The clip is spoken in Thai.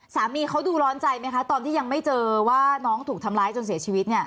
สามีเขาดูร้อนใจไหมคะตอนที่ยังไม่เจอว่าน้องถูกทำร้ายจนเสียชีวิตเนี่ย